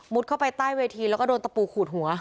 เข้าไปใต้เวทีแล้วก็โดนตะปูขูดหัว